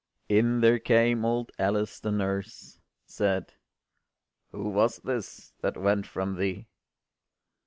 In there came old Alice the nurse, Said, “Who was this that went from thee?